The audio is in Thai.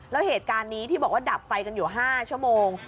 แล้วเหตุการณ์นี้ที่บอกว่าดับไฟกันอยู่๕ชั่วโมง